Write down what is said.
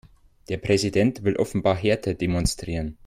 Der Präsident will offenbar Härte demonstrieren.